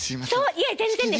いえ全然です。